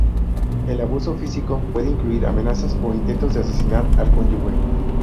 El abuso físico puede incluir amenazas o intentos de asesinar al cónyuge.